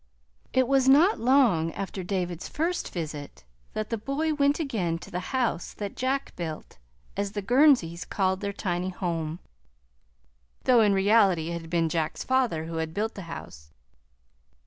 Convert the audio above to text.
It was not long after David's first visit that the boy went again to "The House that Jack Built," as the Gurnseys called their tiny home. (Though in reality it had been Jack's father who had built the house.